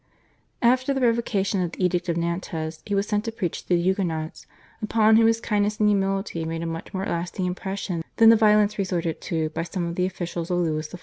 After the revocation of the Edict of Nantes he was sent to preach to the Huguenots, upon whom his kindness and humility made a much more lasting impression than the violence resorted to by some of the officials of Louis XIV.